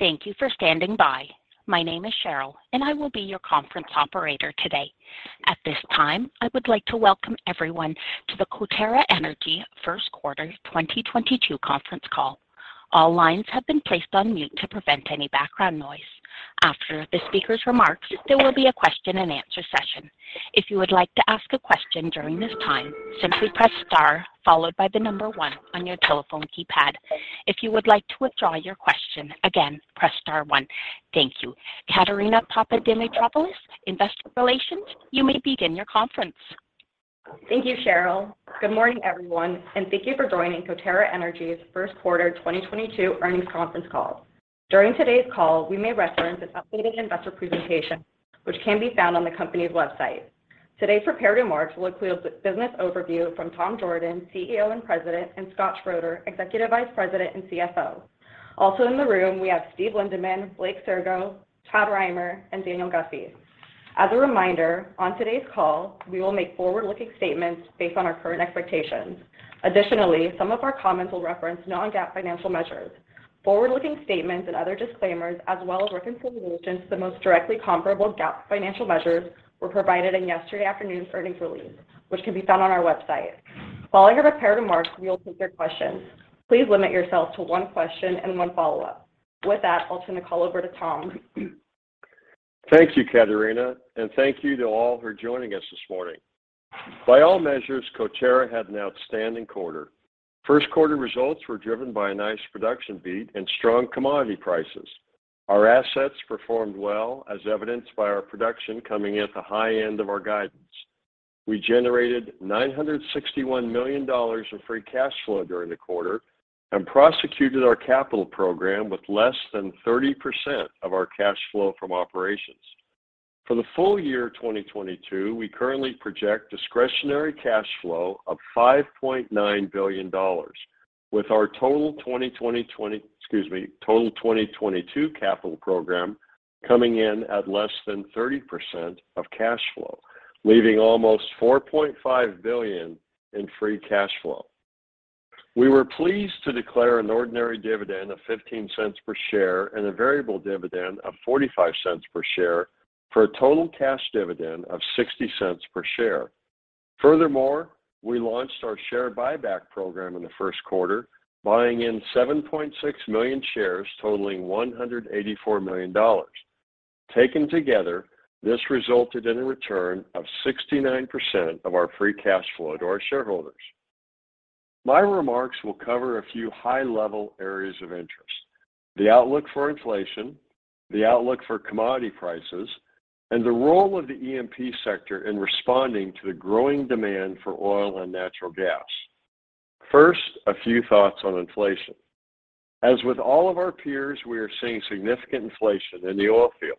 Thank you for standing by. My name is Cheryl, and I will be your conference operator today. At this time, I would like to welcome everyone to the Coterra Energy First Quarter 2022 conference call. All lines have been placed on mute to prevent any background noise. After the speaker's remarks, there will be a question and answer session. If you would like to ask a question during this time, simply press star followed by the number one on your telephone keypad. If you would like to withdraw your question, again, press star one. Thank you. Caterina Papadimitropoulos, Investor Relations, you may begin your conference. Thank you, Cheryl. Good morning, everyone, and thank you for joining Coterra Energy's first quarter 2022 earnings conference call. During today's call, we may reference this updated investor presentation, which can be found on the company's website. Today's prepared remarks will include business overview from Tom Jorden, CEO and President, and Scott Schroeder, Executive Vice President and CFO. Also in the room, we have Steve Lindeman, Blake Sirgo, Todd Roemer, and Daniel Guffey. As a reminder, on today's call, we will make forward-looking statements based on our current expectations. Additionally, some of our comments will reference non-GAAP financial measures. Forward-looking statements and other disclaimers as well as reconciliations to the most directly comparable GAAP financial measures were provided in yesterday afternoon's earnings release, which can be found on our website. Following the prepared remarks, we will take your questions. Please limit yourself to one question and one follow-up. With that, I'll turn the call over to Tom. Thank you, Katerina, and thank you to all who are joining us this morning. By all measures, Coterra had an outstanding quarter. First quarter results were driven by a nice production beat and strong commodity prices. Our assets performed well as evidenced by our production coming at the high end of our guidance. We generated $961 million in free cash flow during the quarter and prosecuted our capital program with less than 30% of our cash flow from operations. For the full year 2022, we currently project discretionary cash flow of $5.9 billion with our total 2022 capital program coming in at less than 30% of cash flow, leaving almost $4.5 billion in free cash flow. We were pleased to declare an ordinary dividend of $0.15 per share and a variable dividend of $0.45 per share for a total cash dividend of $0.60 per share. Furthermore, we launched our share buyback program in the first quarter, buying 7.6 million shares totaling $184 million. Taken together, this resulted in a return of 69% of our free cash flow to our shareholders. My remarks will cover a few high-level areas of interest, the outlook for inflation, the outlook for commodity prices, and the role of the E&P sector in responding to the growing demand for oil and natural gas. First, a few thoughts on inflation. As with all of our peers, we are seeing significant inflation in the oil field.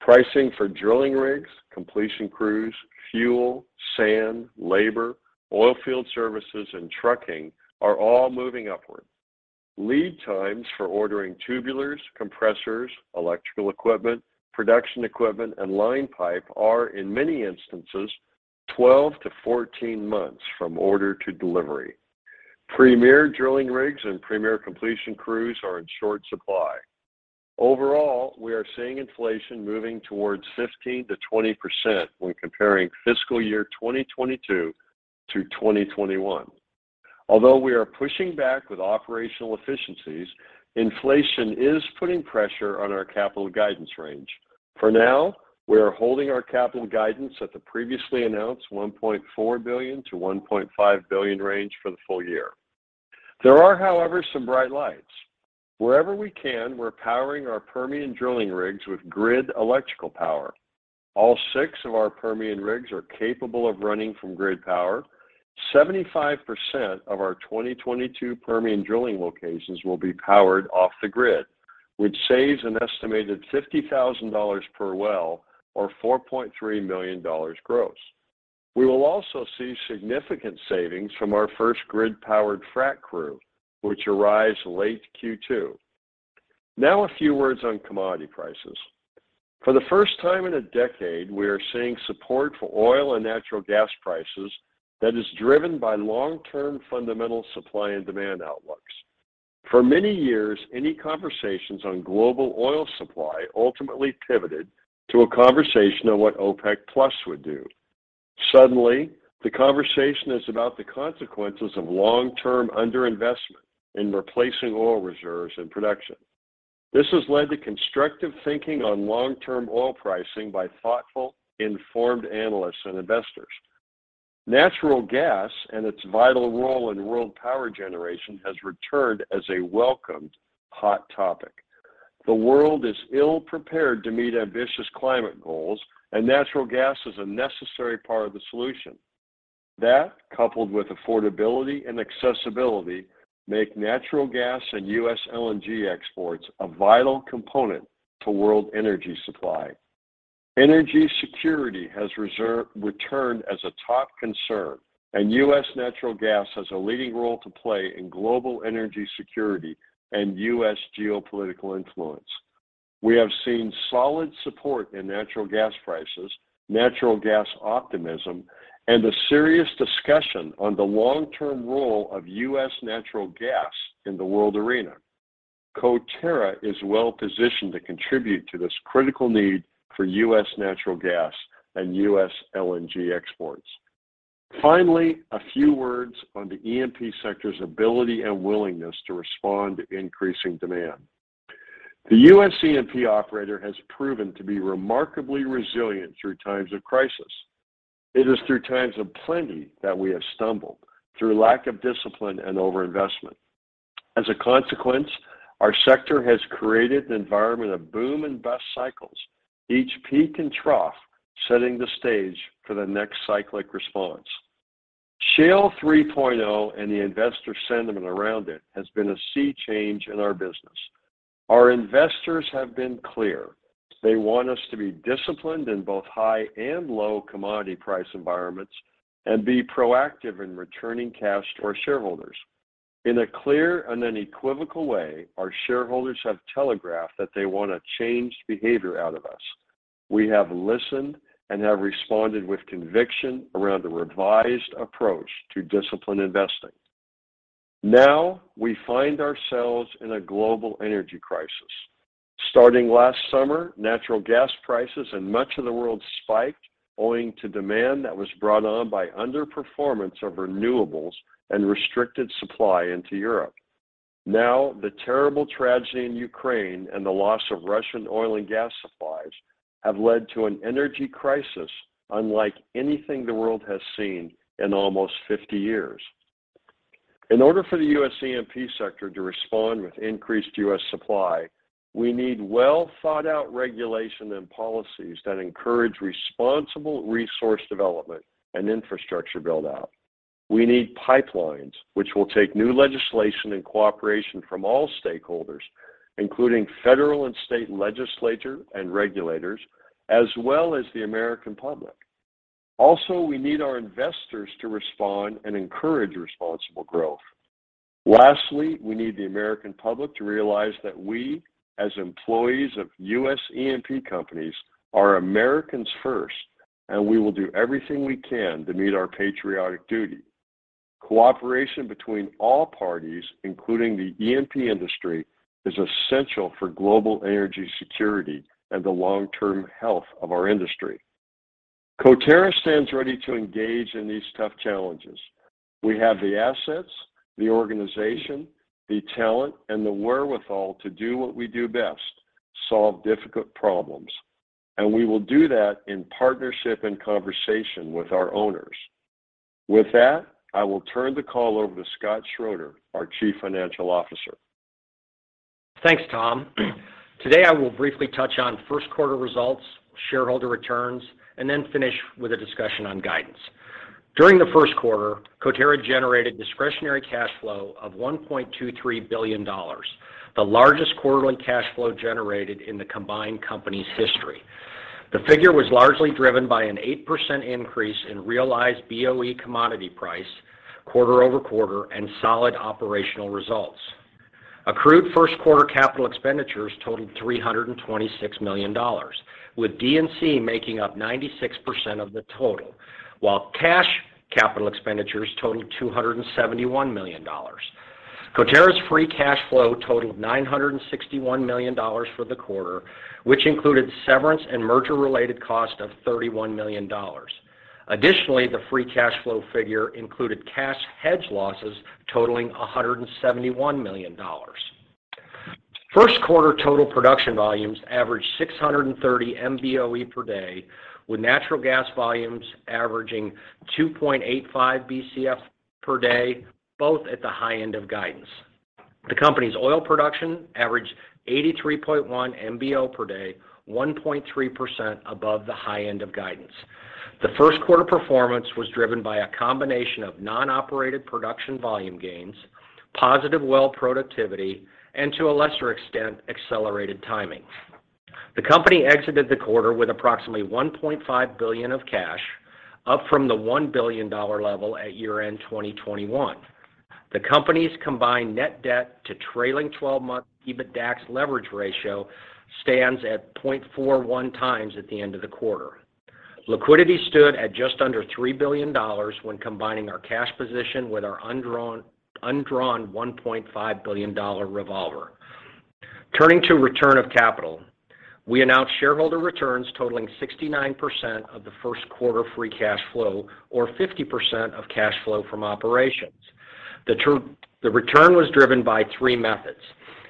Pricing for drilling rigs, completion crews, fuel, sand, labor, oil field services, and trucking are all moving upward. Lead times for ordering tubulars, compressors, electrical equipment, production equipment, and line pipe are, in many instances, 12-14 months from order to delivery. Premier drilling rigs and premier completion crews are in short supply. Overall, we are seeing inflation moving towards 15%-20% when comparing fiscal year 2022 to 2021. Although we are pushing back with operational efficiencies, inflation is putting pressure on our capital guidance range. For now, we are holding our capital guidance at the previously announced $1.4 billion-$1.5 billion range for the full year. There are, however, some bright lights. Wherever we can, we're powering our Permian drilling rigs with grid electrical power. All six of our Permian rigs are capable of running from grid power. 75% of our 2022 Permian drilling locations will be powered off the grid, which saves an estimated $50,000 per well or $4.3 million gross. We will also see significant savings from our first grid-powered frack crew, which arrives late Q2. Now a few words on commodity prices. For the first time in a decade, we are seeing support for oil and natural gas prices that is driven by long-term fundamental supply and demand outlooks. For many years, any conversations on global oil supply ultimately pivoted to a conversation on what OPEC+ would do. Suddenly, the conversation is about the consequences of long-term underinvestment in replacing oil reserves and production. This has led to constructive thinking on long-term oil pricing by thoughtful, informed analysts and investors. Natural gas and its vital role in world power generation has returned as a welcomed hot topic. The world is ill-prepared to meet ambitious climate goals, and natural gas is a necessary part of the solution. That, coupled with affordability and accessibility, make natural gas and U.S. LNG exports a vital component to world energy supply. Energy security has returned as a top concern, and U.S. natural gas has a leading role to play in global energy security and U.S. geopolitical influence. We have seen solid support in natural gas prices, natural gas optimism, and a serious discussion on the long-term role of U.S. natural gas in the world arena. Coterra is well-positioned to contribute to this critical need for U.S. natural gas and U.S. LNG exports. Finally, a few words on the E&P sector's ability and willingness to respond to increasing demand. The U.S. E&P operator has proven to be remarkably resilient through times of crisis. It is through times of plenty that we have stumbled, through lack of discipline and overinvestment. As a consequence, our sector has created an environment of boom and bust cycles, each peak and trough setting the stage for the next cyclic response. Shale 3.0 and the investor sentiment around it has been a sea change in our business. Our investors have been clear. They want us to be disciplined in both high and low commodity price environments and be proactive in returning cash to our shareholders. In a clear and unequivocal way, our shareholders have telegraphed that they want a changed behavior out of us. We have listened and have responded with conviction around a revised approach to disciplined investing. Now, we find ourselves in a global energy crisis. Starting last summer, natural gas prices in much of the world spiked owing to demand that was brought on by underperformance of renewables and restricted supply into Europe. Now, the terrible tragedy in Ukraine and the loss of Russian oil and gas supplies have led to an energy crisis unlike anything the world has seen in almost 50 years. In order for the U.S. E&P sector to respond with increased U.S. supply, we need well-thought-out regulation and policies that encourage responsible resource development and infrastructure build-out. We need pipelines, which will take new legislation and cooperation from all stakeholders, including federal and state legislature and regulators, as well as the American public. Also, we need our investors to respond and encourage responsible growth. Lastly, we need the American public to realize that we, as employees of U.S. E&P companies, are Americans first, and we will do everything we can to meet our patriotic duty. Cooperation between all parties, including the E&P industry, is essential for global energy security and the long-term health of our industry. Coterra stands ready to engage in these tough challenges. We have the assets, the organization, the talent, and the wherewithal to do what we do best, solve difficult problems. We will do that in partnership and conversation with our owners. With that, I will turn the call over to Scott Schroeder, our Chief Financial Officer. Thanks, Tom. Today, I will briefly touch on first quarter results, shareholder returns, and then finish with a discussion on guidance. During the first quarter, Coterra generated discretionary cash flow of $1.23 billion, the largest quarterly cash flow generated in the combined company's history. The figure was largely driven by an 8% increase in realized BOE commodity price quarter-over-quarter and solid operational results. Accrued first quarter capital expenditures totaled $326 million, with D&C making up 96% of the total, while cash capital expenditures totaled $271 million. Coterra's free cash flow totaled $961 million for the quarter, which included severance and merger-related costs of $31 million. Additionally, the free cash flow figure included cash hedge losses totaling $171 million. First quarter total production volumes averaged 630 MBOE per day, with natural gas volumes averaging 2.85 BCF per day, both at the high end of guidance. The company's oil production averaged 83.1 MBO per day, 1.3% above the high end of guidance. The first quarter performance was driven by a combination of non-operated production volume gains, positive well productivity, and to a lesser extent, accelerated timing. The company exited the quarter with approximately $1.5 billion of cash, up from the $1 billion level at year-end 2021. The company's combined net debt to trailing twelve-month EBITDAX leverage ratio stands at 0.41x at the end of the quarter. Liquidity stood at just under $3 billion when combining our cash position with our undrawn $1.5 billion revolver. Turning to return of capital, we announced shareholder returns totaling 69% of the first quarter free cash flow or 50% of cash flow from operations. The return was driven by three methods.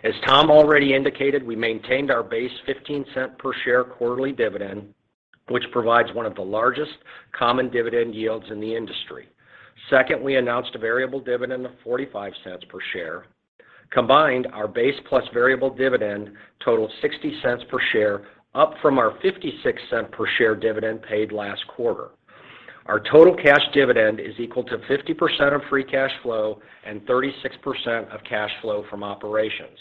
As Tom already indicated, we maintained our base $0.15 per share quarterly dividend, which provides one of the largest common dividend yields in the industry. Second, we announced a variable dividend of $0.45 per share. Combined, our base plus variable dividend totaled $0.60 per share, up from our $0.56 per share dividend paid last quarter. Our total cash dividend is equal to 50% of free cash flow and 36% of cash flow from operations.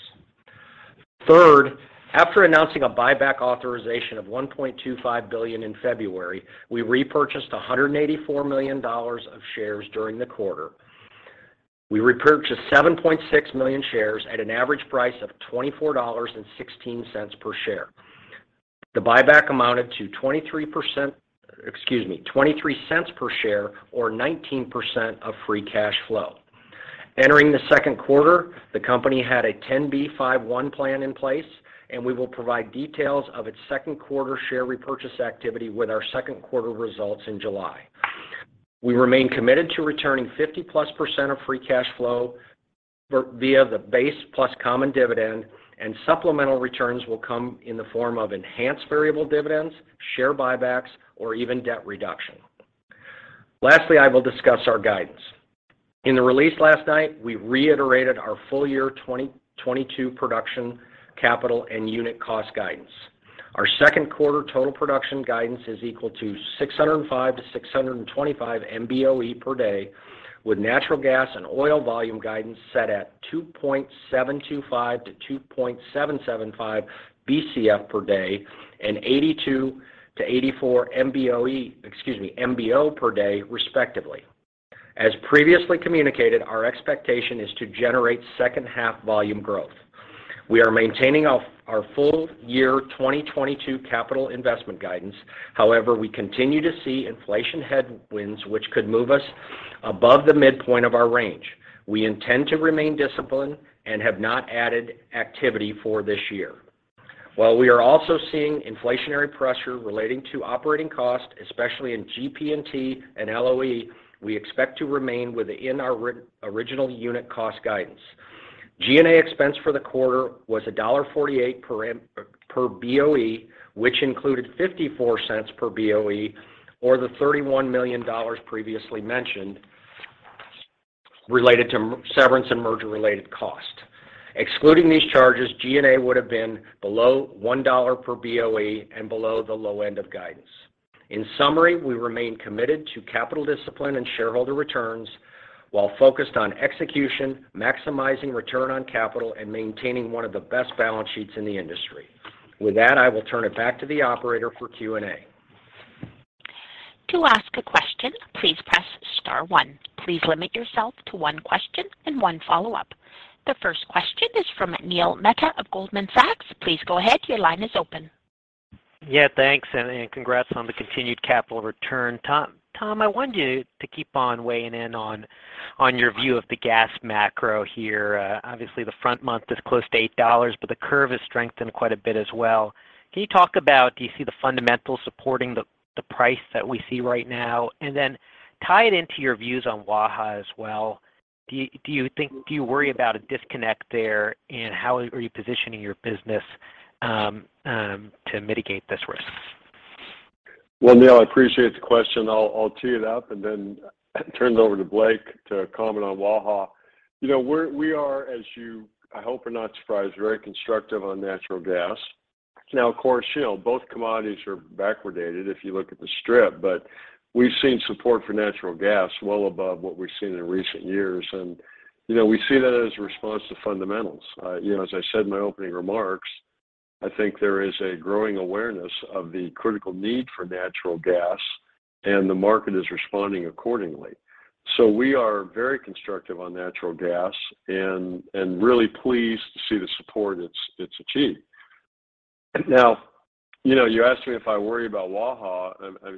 Third, after announcing a buyback authorization of $1.25 billion in February, we repurchased $184 million of shares during the quarter. We repurchased 7.6 million shares at an average price of $24.16 per share. The buyback amounted to $0.23 per share or 19% of free cash flow. Entering the second quarter, the company had a 10b5-1 plan in place, and we will provide details of its second quarter share repurchase activity with our second quarter results in July. We remain committed to returning 50%+ of free cash flow via the base plus common dividend, and supplemental returns will come in the form of enhanced variable dividends, share buybacks, or even debt reduction. Lastly, I will discuss our guidance. In the release last night, we reiterated our full year 2022 production capital and unit cost guidance. Our second quarter total production guidance is equal to 605-625 MBOE per day, with natural gas and oil volume guidance set at 2.725-2.775 BCF per day and 82-84 MBOE, excuse me, MBO per day, respectively. As previously communicated, our expectation is to generate second-half volume growth. We are maintaining our full year 2022 capital investment guidance. However, we continue to see inflation headwinds which could move us above the midpoint of our range. We intend to remain disciplined and have not added activity for this year. While we are also seeing inflationary pressure relating to operating costs, especially in GP&T and LOE, we expect to remain within our original unit cost guidance. G&A expense for the quarter was $1.48 per MBOE, which included $0.54 per BOE of the $31 million previously mentioned related to severance and merger-related costs. Excluding these charges, G&A would have been below $1 per BOE and below the low end of guidance. In summary, we remain committed to capital discipline and shareholder returns while focused on execution, maximizing return on capital, and maintaining one of the best balance sheets in the industry. With that, I will turn it back to the operator for Q&A. To ask a question, please press star one. Please limit yourself to one question and one follow-up. The first question is from Neil Mehta of Goldman Sachs. Please go ahead. Your line is open. Yeah, thanks, and congrats on the continued capital return. Tom, I wanted you to keep on weighing in on your view of the gas macro here. Obviously, the front month is close to $8, but the curve has strengthened quite a bit as well. Can you talk about, do you see the fundamentals supporting the price that we see right now? Then tie it into your views on Waha as well. Do you worry about a disconnect there, and how are you positioning your business to mitigate this risk? Well, Neil, I appreciate the question. I'll tee it up and then turn it over to Blake to comment on Waha. You know, we are, as you, I hope, are not surprised, very constructive on natural gas. Now, of course, you know, both commodities are backwardated, if you look at the strip. We've seen support for natural gas well above what we've seen in recent years. You know, we see that as a response to fundamentals. You know, as I said in my opening remarks, I think there is a growing awareness of the critical need for natural gas, and the market is responding accordingly. We are very constructive on natural gas and really pleased to see the support it's achieved. Now, you know, you asked me if I worry about Waha,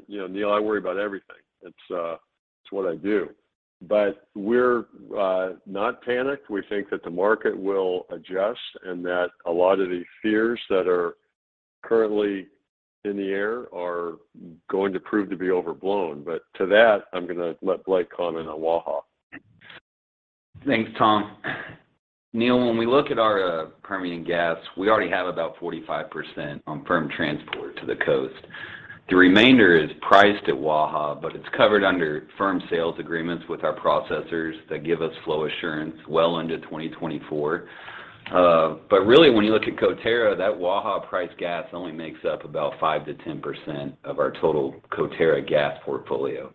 you know, Neil, I worry about everything. It's what I do. We're not panicked. We think that the market will adjust, and that a lot of these fears that are currently in the air are going to prove to be overblown. To that, I'm gonna let Blake comment on Waha. Thanks, Tom. Neil, when we look at our Permian gas, we already have about 45% on firm transport to the coast. The remainder is priced at Waha, but it's covered under firm sales agreements with our processors that give us flow assurance well into 2024. But really, when you look at Coterra, that Waha priced gas only makes up about 5%-10% of our total Coterra gas portfolio.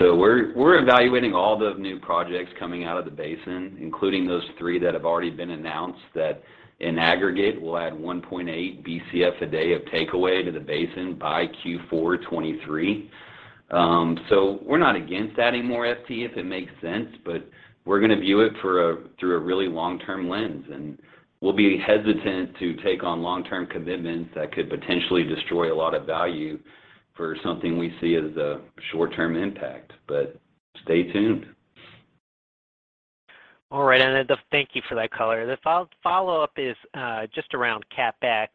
We're evaluating all the new projects coming out of the basin, including those three that have already been announced that in aggregate will add 1.8 BCF a day of takeaway to the basin by Q4 2023. We're not against adding more FT if it makes sense, but we're gonna view it through a really long-term lens, and we'll be hesitant to take on long-term commitments that could potentially destroy a lot of value for something we see as a short-term impact. Stay tuned. All right, thank you for that color. The follow-up is just around CapEx.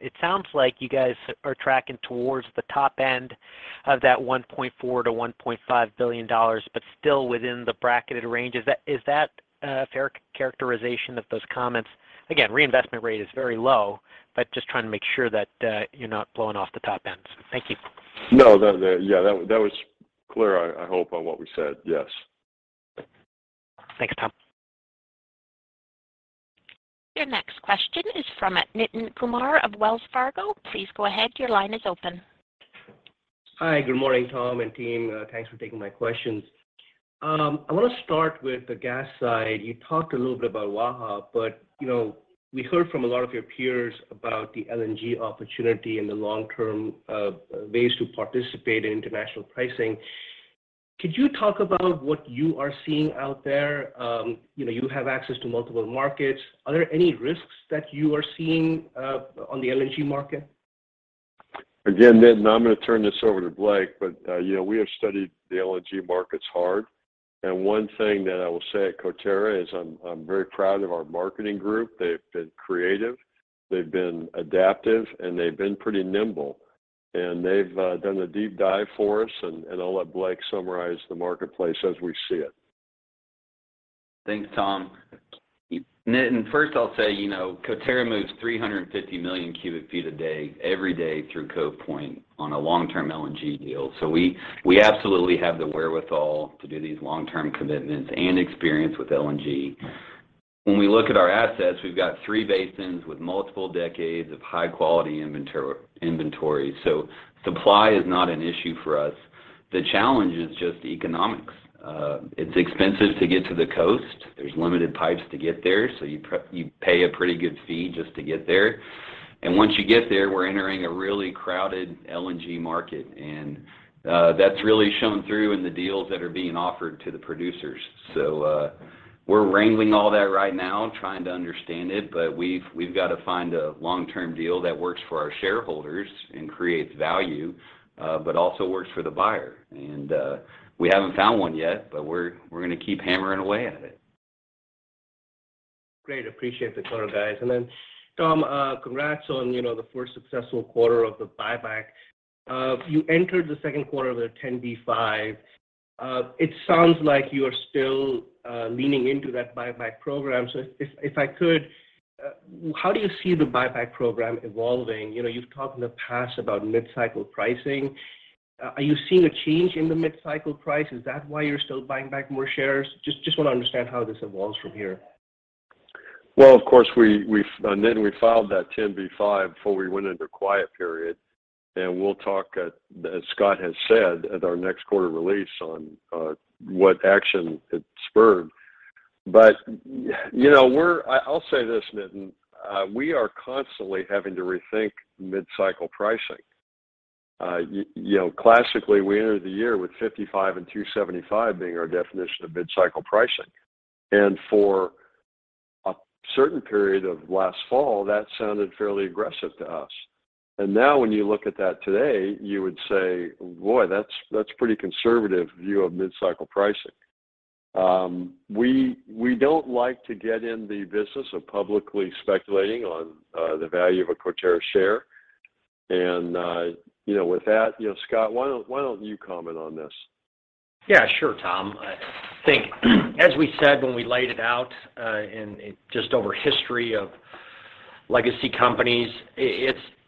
It sounds like you guys are tracking towards the top end of that $1.4 billion-$1.5 billion, but still within the bracketed range. Is that a fair characterization of those comments? Again, reinvestment rate is very low, but just trying to make sure that you're not blowing off the top ends. Thank you. No. That. Yeah, that was clear. I hope on what we said. Yes. Thanks, Tom. Your next question is from Nitin Kumar of Wells Fargo. Please go ahead. Your line is open. Hi. Good morning, Tom and team. Thanks for taking my questions. I want to start with the gas side. You talked a little bit about Waha, but, you know, we heard from a lot of your peers about the LNG opportunity and the long-term ways to participate in international pricing. Could you talk about what you are seeing out there? You know, you have access to multiple markets. Are there any risks that you are seeing on the LNG market? Again, Nitin, I'm gonna turn this over to Blake, but, you know, we have studied the LNG markets hard. One thing that I will say at Coterra is I'm very proud of our marketing group. They've been creative, they've been adaptive, and they've been pretty nimble. They've done a deep dive for us, and I'll let Blake summarize the marketplace as we see it. Thanks, Tom. Nitin, first I'll say, you know, Coterra moves 350 million cubic feet a day every day through Cove Point on a long-term LNG deal. We absolutely have the wherewithal to do these long-term commitments and experience with LNG. When we look at our assets, we've got three basins with multiple decades of high-quality inventory. Supply is not an issue for us. The challenge is just economics. It's expensive to get to the coast. There's limited pipes to get there, so you pay a pretty good fee just to get there. Once you get there, we're entering a really crowded LNG market, and that's really shown through in the deals that are being offered to the producers. We're wrangling all that right now and trying to understand it, but we've got to find a long-term deal that works for our shareholders and creates value, but also works for the buyer. We haven't found one yet, but we're gonna keep hammering away at it. Great. Appreciate the color, guys. Tom, congrats on, you know, the first successful quarter of the buyback. You entered the second quarter with a 10b5-1. It sounds like you are still leaning into that buyback program. If I could, how do you see the buyback program evolving? You know, you've talked in the past about mid-cycle pricing. Are you seeing a change in the mid-cycle price? Is that why you're still buying back more shares? Just wanna understand how this evolves from here. Well, of course, we and Nitin, we filed that 10b5-1 before we went into quiet period, and we'll talk at, as Scott has said, at our next quarter release on what action it spurred. You know, we're. I'll say this, Nitin, we are constantly having to rethink mid-cycle pricing. You know, classically, we entered the year with $55 and $2.75 being our definition of mid-cycle pricing. For a certain period of last fall, that sounded fairly aggressive to us. Now when you look at that today, you would say, "Boy, that's pretty conservative view of mid-cycle pricing." We don't like to get in the business of publicly speculating on the value of a Coterra share. You know, with that, you know, Scott, why don't you comment on this? Yeah, sure, Tom. I think as we said when we laid it out, in just over history of legacy companies,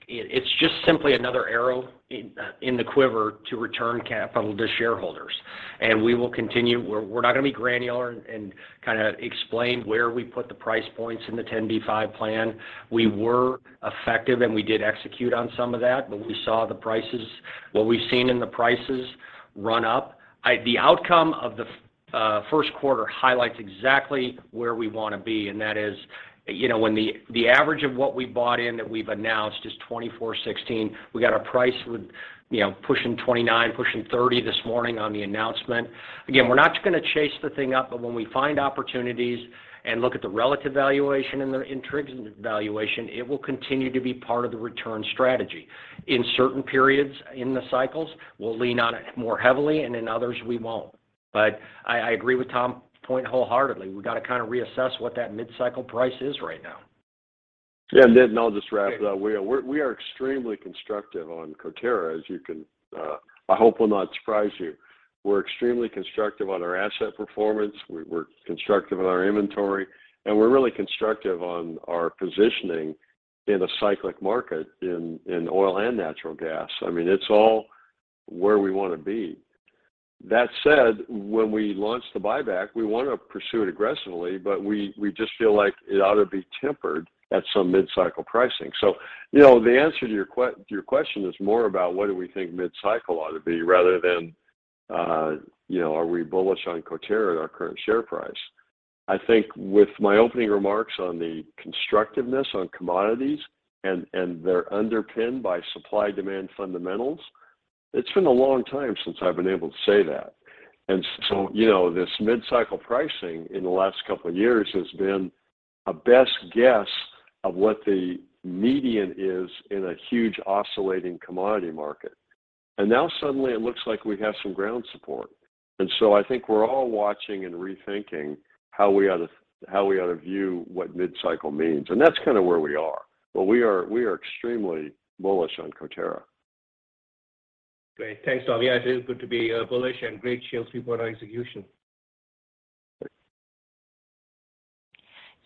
it's just simply another arrow in the quiver to return capital to shareholders. We will continue. We're not gonna be granular and kind of explain where we put the price points in the 10b5-1 plan. We were effective, and we did execute on some of that, but we saw the prices, what we've seen in the prices run up. The outcome of the first quarter highlights exactly where we wanna be, and that is, you know, when the average of what we bought in that we've announced is $24.16. We got a price with, you know, pushing $29, pushing $30 this morning on the announcement. Again, we're not just gonna chase the thing up, but when we find opportunities and look at the relative valuation and the intrinsic valuation, it will continue to be part of the return strategy. In certain periods in the cycles, we'll lean on it more heavily, and in others we won't. I agree with Tom's point wholeheartedly. We've got to kind of reassess what that mid-cycle price is right now. Yeah. Nitin, I'll just wrap it up. We are extremely constructive on Coterra, as you can, I hope will not surprise you. We're extremely constructive on our asset performance. We're constructive on our inventory, and we're really constructive on our positioning in a cyclic market in oil and natural gas. I mean, it's all where we wanna be. That said, when we launch the buyback, we wanna pursue it aggressively, but we just feel like it ought to be tempered at some mid-cycle pricing. You know, the answer to your question is more about what do we think mid-cycle ought to be rather than, you know, are we bullish on Coterra at our current share price. I think with my opening remarks on the constructiveness on commodities and they're underpinned by supply-demand fundamentals, it's been a long time since I've been able to say that. You know, this mid-cycle pricing in the last couple of years has been a best guess of what the median is in a huge oscillating commodity market. Now suddenly it looks like we have some ground support. I think we're all watching and rethinking how we ought to view what mid-cycle means. That's kind of where we are. We are extremely bullish on Coterra. Great. Thanks, Tom. Yeah, it is good to be bullish and cheerlead people on execution.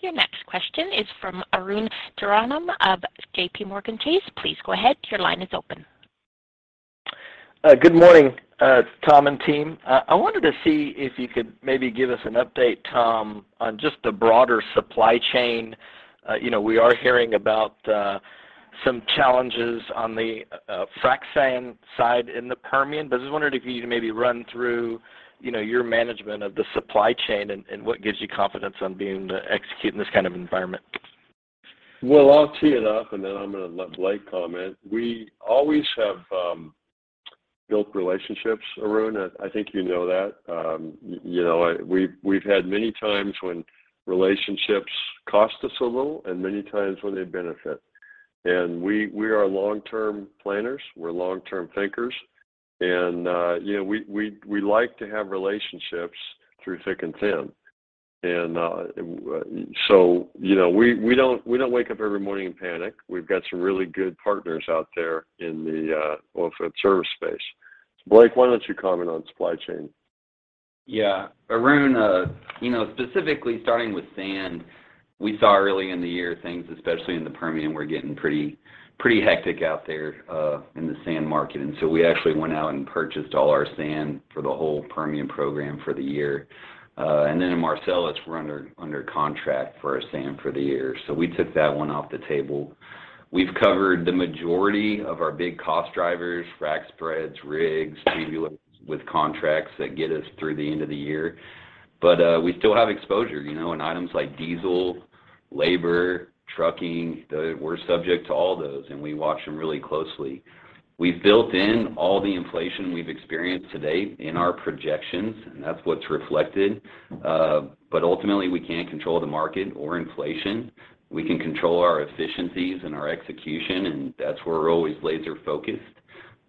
Your next question is from Arun Jayaram of JPMorgan Chase. Please go ahead. Your line is open. Good morning, Tom and team. I wanted to see if you could maybe give us an update, Tom, on just the broader supply chain. You know, we are hearing about some challenges on the frack sand side in the Permian, but I just wondered if you could maybe run through, you know, your management of the supply chain and what gives you confidence on being able to execute in this kind of environment? Well, I'll tee it up, and then I'm gonna let Blake comment. We always have built relationships, Arun. I think you know that. You know, we've had many times when relationships cost us a little and many times when they benefit. We are long-term planners. We're long-term thinkers. You know, we like to have relationships through thick and thin. So, you know, we don't wake up every morning and panic. We've got some really good partners out there in the oilfield service space. Blake, why don't you comment on supply chain? Yeah. Arun, you know, specifically starting with sand, we saw early in the year things, especially in the Permian, were getting pretty hectic out there, in the sand market. We actually went out and purchased all our sand for the whole Permian program for the year. In Marcellus we're under contract for our sand for the year. We took that one off the table. We've covered the majority of our big cost drivers, frac spreads, rigs, tubulars, with contracts that get us through the end of the year. We still have exposure, you know, in items like diesel, labor, trucking. We're subject to all those, and we watch them really closely. We've built in all the inflation we've experienced to date in our projections, and that's what's reflected. Ultimately we can't control the market or inflation. We can control our efficiencies and our execution, and that's where we're always laser focused.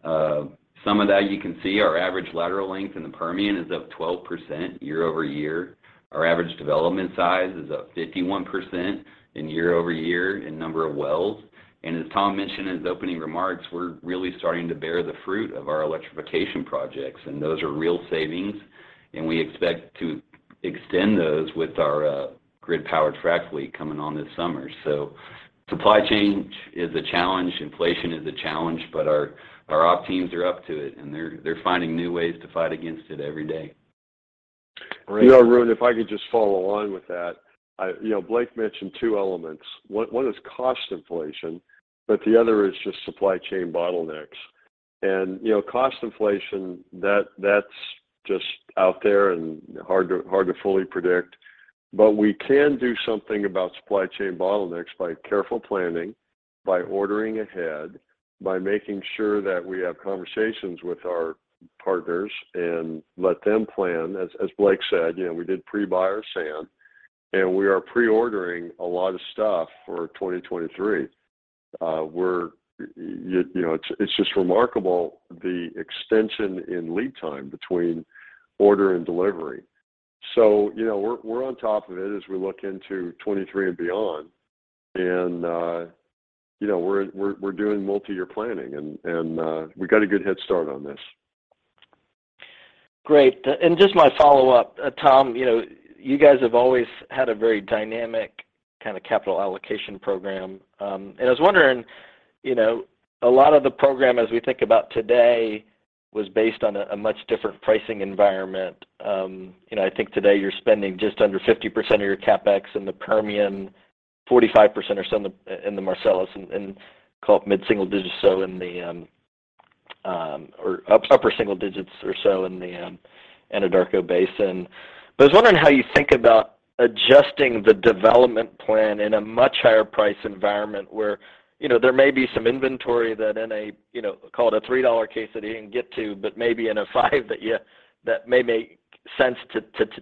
Some of that you can see. Our average lateral length in the Permian is up 12% year-over-year. Our average development size is up 51% year-over-year in number of wells. As Tom mentioned in his opening remarks, we're really starting to bear the fruit of our electrification projects, and those are real savings, and we expect to extend those with our grid powered frac fleet coming on this summer. Supply chain is a challenge, inflation is a challenge, but our op teams are up to it, and they're finding new ways to fight against it every day. You know, Arun, if I could just follow on with that. You know, Blake mentioned two elements. One is cost inflation, but the other is just supply chain bottlenecks. You know, cost inflation, that's just out there and hard to fully predict. But we can do something about supply chain bottlenecks by careful planning, by ordering ahead, by making sure that we have conversations with our partners and let them plan. As Blake said, you know, we did pre-buy our sand, and we are pre-ordering a lot of stuff for 2023. You know, it's just remarkable the extension in lead time between order and delivery. You know, we're on top of it as we look into 2023 and beyond. You know, we're doing multi-year planning, and we got a good head start on this. Great. Just my follow-up, Tom, you know, you guys have always had a very dynamic kind of capital allocation program. I was wondering, you know, a lot of the program as we think about today was based on a much different pricing environment. You know, I think today you're spending just under 50% of your CapEx in the Permian, 45% or so in the Marcellus, and call it mid-single digits, so in the or upper single digits or so in the Anadarko Basin. I was wondering how you think about adjusting the development plan in a much higher price environment where, you know, there may be some inventory that in a, you know, call it a $3 case that you didn't get to, but maybe in a $5 that you. that may make sense to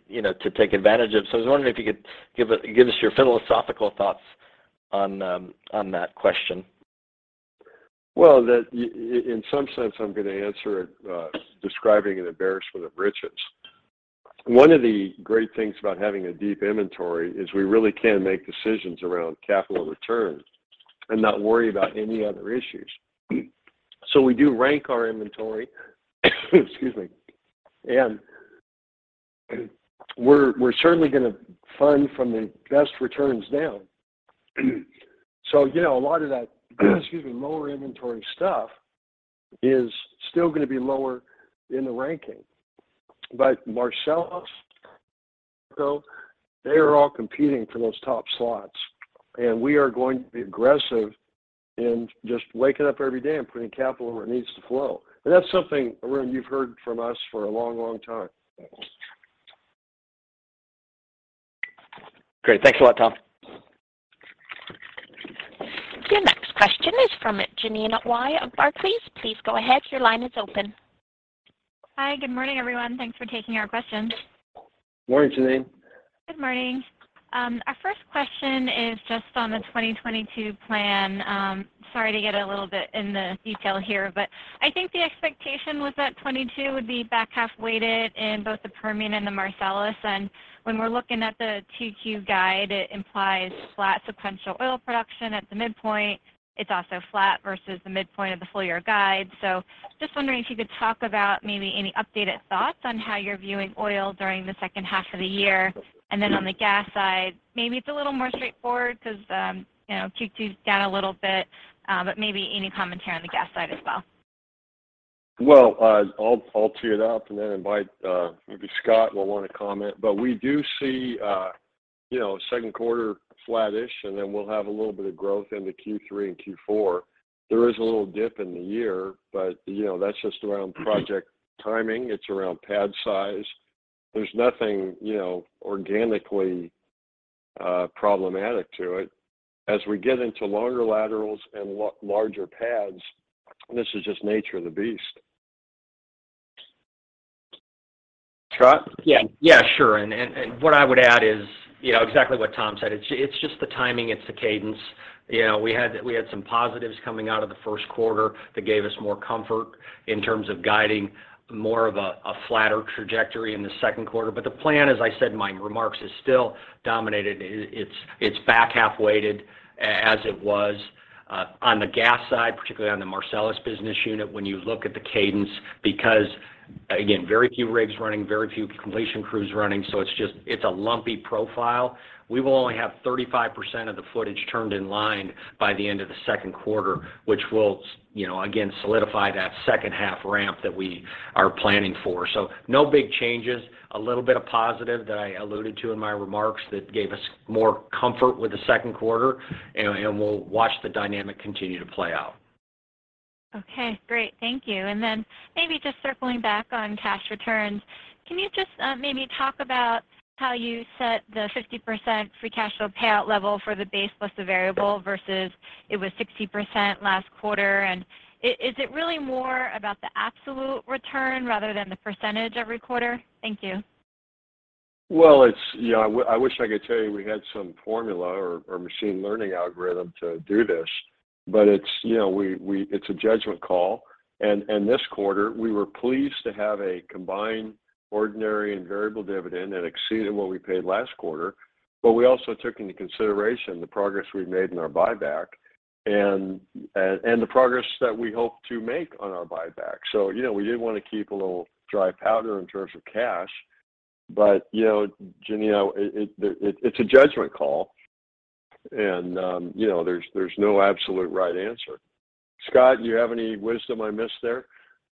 you know to take advantage of. I was wondering if you could give us your philosophical thoughts on that question. Well, in some sense I'm gonna answer it describing an embarrassment of riches. One of the great things about having a deep inventory is we really can make decisions around capital returns and not worry about any other issues. We do rank our inventory, excuse me, and we're certainly gonna fund from the best returns down. You know, a lot of that, excuse me, lower inventory stuff is still gonna be lower in the ranking. Marcellus, [Anadarko], they are all competing for those top slots, and we are going to be aggressive in just waking up every day and putting capital where it needs to flow. That's something, Arun, you've heard from us for a long, long time. Great. Thanks a lot, Tom. Your next question is from Jeanine Wai of Barclays. Please go ahead, your line is open. Hi. Good morning, everyone. Thanks for taking our questions. Morning, Jeanine. Good morning. Our first question is just on the 2022 plan. Sorry to get a little bit in the detail here, but I think the expectation was that 2022 would be back half weighted in both the Permian and the Marcellus. When we're looking at the 2Q guide, it implies flat sequential oil production at the midpoint. It's also flat versus the midpoint of the full year guide. Just wondering if you could talk about maybe any updated thoughts on how you're viewing oil during the second half of the year. Then on the gas side, maybe it's a little more straightforward because, you know, 2Q's down a little bit, but maybe any commentary on the gas side as well. Well, I'll tee it up, and then invite maybe Scott will want to comment. We do see, you know, second quarter flattish, and then we'll have a little bit of growth into Q3 and Q4. There is a little dip in the year, but, you know, that's just around project timing. It's around pad size. There's nothing, you know, organically problematic to it. As we get into longer laterals and larger pads, this is just nature of the beast. Scott? Yeah. Yeah, sure. What I would add is, you know, exactly what Tom said. It's just the timing, it's the cadence. You know, we had some positives coming out of the first quarter that gave us more comfort in terms of guiding more of a flatter trajectory in the second quarter. The plan, as I said in my remarks, is still dominated. It's back half-weighted as it was on the gas side, particularly on the Marcellus business unit when you look at the cadence, because again, very few rigs running, very few completion crews running, so it's just, it's a lumpy profile. We will only have 35% of the footage turned in line by the end of the second quarter, which will, you know, again, solidify that second half ramp that we are planning for. No big changes. A little bit of positive that I alluded to in my remarks that gave us more comfort with the second quarter, and we'll watch the dynamic continue to play out. Okay, great. Thank you. Maybe just circling back on cash returns, can you just maybe talk about how you set the 50% free cash flow payout level for the base plus the variable versus it was 60% last quarter? Is it really more about the absolute return rather than the percentage every quarter? Thank you. Yeah, I wish I could tell you we had some formula or machine learning algorithm to do this, but it's, you know. It's a judgment call. This quarter we were pleased to have a combined ordinary and variable dividend that exceeded what we paid last quarter. We also took into consideration the progress we've made in our buyback and the progress that we hope to make on our buyback. You know, we did want to keep a little dry powder in terms of cash. You know, Jeanine, it's a judgment call and, you know, there's no absolute right answer. Scott, do you have any wisdom I missed there?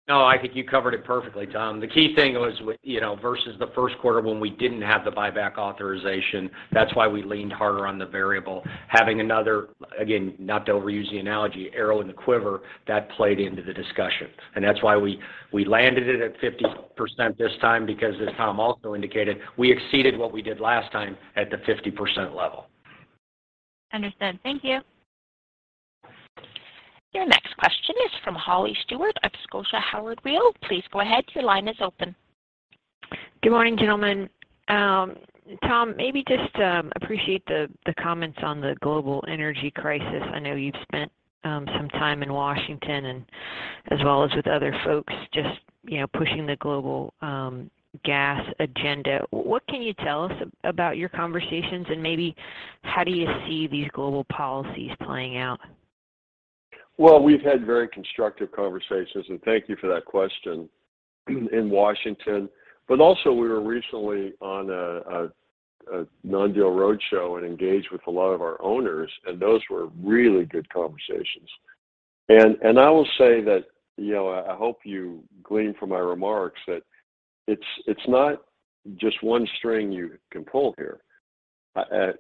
No, I think you covered it perfectly, Tom. The key thing was you know, versus the first quarter when we didn't have the buyback authorization, that's why we leaned harder on the variable. Having another, again, not to overuse the analogy, arrow in the quiver, that played into the discussion. That's why we landed it at 50% this time because as Tom also indicated, we exceeded what we did last time at the 50% level. Understood. Thank you. Your next question is from Holly Stewart of Scotia Howard Weil. Please go ahead. Your line is open. Good morning, gentlemen. Tom, maybe just appreciate the comments on the global energy crisis. I know you've spent some time in Washington and as well as with other folks just, you know, pushing the global gas agenda. What can you tell us about your conversations and maybe how do you see these global policies playing out? Well, we've had very constructive conversations, and thank you for that question, in Washington. We were recently on a non-deal roadshow and engaged with a lot of our owners, and those were really good conversations. I will say that, you know, I hope you glean from my remarks that it's not just one string you can pull here.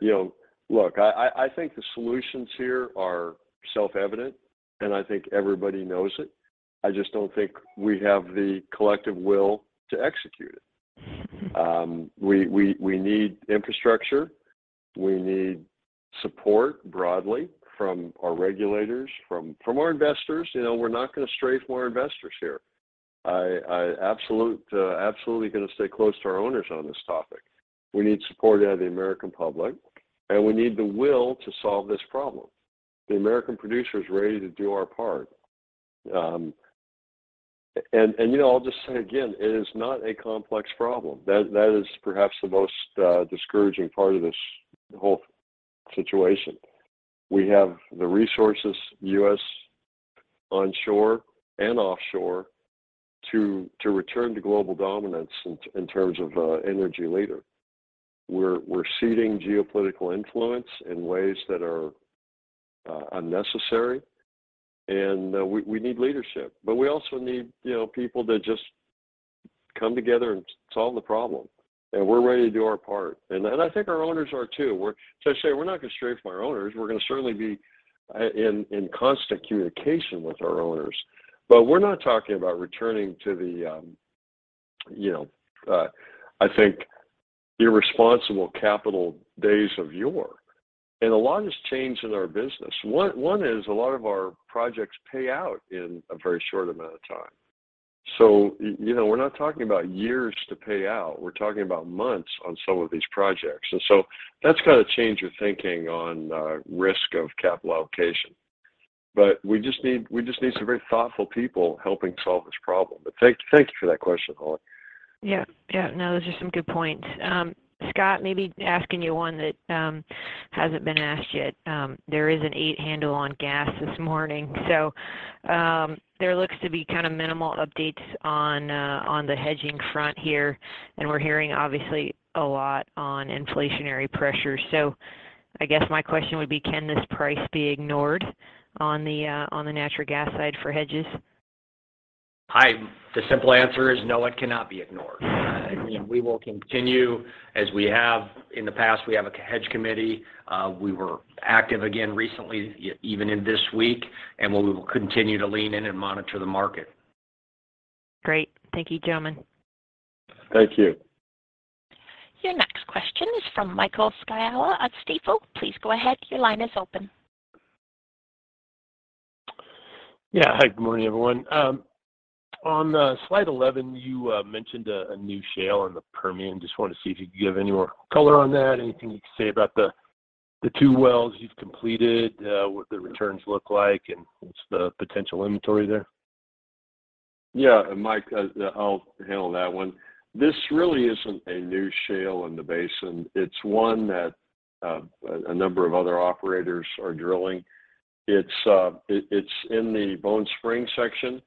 You know, look, I think the solutions here are self-evident, and I think everybody knows it. I just don't think we have the collective will to execute it. We need infrastructure. We need support broadly from our regulators, from our investors. You know, we're not gonna estrange more investors here. I absolutely gonna stay close to our owners on this topic. We need support out of the American public, and we need the will to solve this problem. The American producer is ready to do our part. You know, I'll just say again, it is not a complex problem. That is perhaps the most discouraging part of this whole situation. We have the resources, U.S. onshore and offshore to return to global dominance in terms of an energy leader. We're ceding geopolitical influence in ways that are unnecessary, and we need leadership. We also need, you know, people to just come together and solve the problem, and we're ready to do our part. I think our owners are too. As I say, we're not gonna screw my owners. We're gonna certainly be in constant communication with our owners. We're not talking about returning to the, you know, I think irresponsible capital days of yore. A lot has changed in our business. One is a lot of our projects pay out in a very short amount of time. You know, we're not talking about years to pay out, we're talking about months on some of these projects. That's gotta change your thinking on risk of capital allocation. We just need some very thoughtful people helping solve this problem. Thank you for that question, Holly. Yeah. No, those are some good points. Scott, maybe asking you one that hasn't been asked yet. There is an $8 handle on gas this morning, so there looks to be kind of minimal updates on the hedging front here, and we're hearing obviously a lot on inflationary pressures. I guess my question would be, can this price be ignored on the natural gas side for hedges? The simple answer is no, it cannot be ignored. You know, we will continue as we have in the past. We have a hedge committee. We were active again recently, even in this week, and we will continue to lean in and monitor the market. Great. Thank you, gentlemen. Thank you. Your next question is from Michael Scialla at Stifel. Please go ahead. Your line is open. Yeah. Hi, good morning, everyone. On slide 11, you mentioned a new shale in the Permian. Just wanna see if you could give any more color on that. Anything you can say about the two wells you've completed, what the returns look like, and what's the potential inventory there? Yeah, Mike, I'll handle that one. This really isn't a new shale in the basin. It's one that a number of other operators are drilling. It's in the Bone Spring section.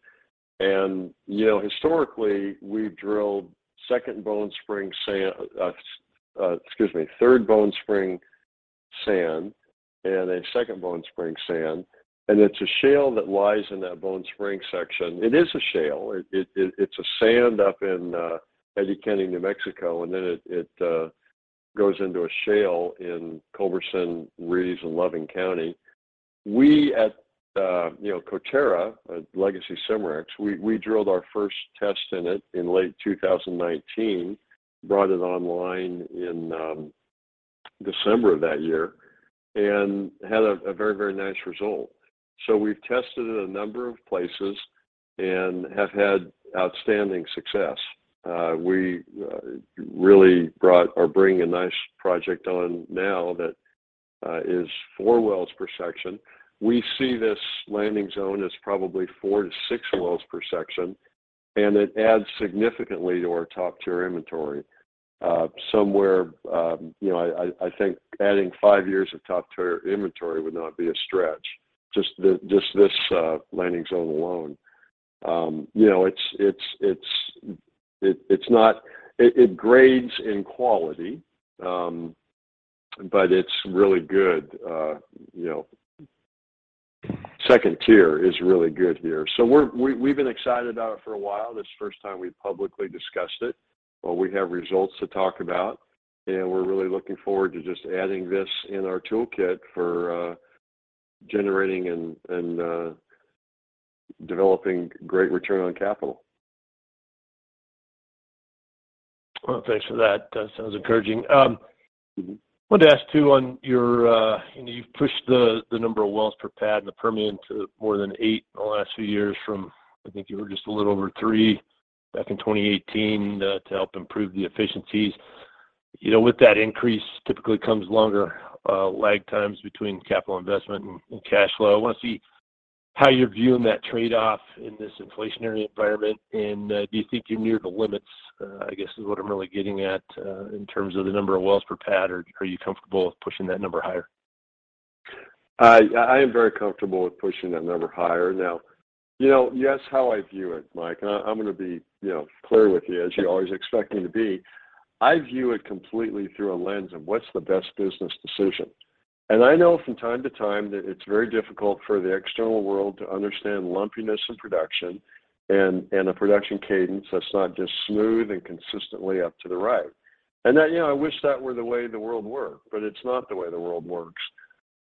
Historically, we've drilled third Bone Spring sand and a second Bone Spring sand. It's a shale that lies in that Bone Spring section. It is a shale. It's a sand up in Eddy County, New Mexico, and then it goes into a shale in Culberson, Reeves, and Loving County. We at Coterra, legacy Cimarex, drilled our first test in it in late 2019, brought it online in December of that year and had a very nice result. We've tested it a number of places and have had outstanding success. We really brought or bring a nice project on now that is four wells per section. We see this landing zone as probably four to six wells per section, and it adds significantly to our top-tier inventory. Somewhere, you know, I think adding five years of top-tier inventory would not be a stretch, just this landing zone alone. You know, it's not. It grades in quality, but it's really good. You know, second tier is really good here. We've been excited about it for a while. This is the first time we've publicly discussed it, but we have results to talk about, and we're really looking forward to just adding this in our toolkit for generating and developing great return on capital. Well, thanks for that. That sounds encouraging. Mm-hmm. Wanted to ask too on your, you've pushed the number of wells per pad in the Permian to more than 8 in the last few years from, I think you were just a little over 3 back in 2018, to help improve the efficiencies. With that increase typically comes longer lag times between capital investment and cash flow. I want to see how you're viewing that trade-off in this inflationary environment, and do you think you're near the limits, I guess is what I'm really getting at, in terms of the number of wells per pad, or are you comfortable with pushing that number higher? I am very comfortable with pushing that number higher. Now, you know, that's how I view it, Mike. I'm gonna be, you know, clear with you as you always expect me to be. I view it completely through a lens of what's the best business decision. I know from time to time that it's very difficult for the external world to understand lumpiness in production and a production cadence that's not just smooth and consistently up to the right. That, you know, I wish that were the way the world worked, but it's not the way the world works.